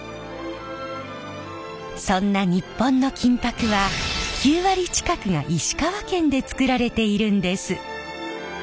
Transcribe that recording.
そんな日本の金箔は９割近くが石川県で作られているんです。